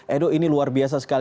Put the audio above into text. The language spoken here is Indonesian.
edo ini luar biasa sekali